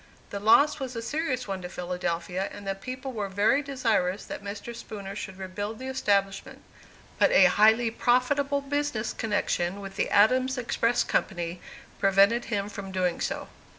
The loss was a serious one to Philadelphia, and the people were very desirous that Mr. Spooner should rebuild the establishment; but a highly profitable business connection with the Adams Express Company prevented him from doing so.